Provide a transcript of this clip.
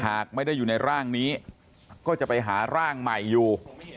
หากไม่ได้อยู่ในร่างนี้ก็จะไปหาร่างใหม่อยู่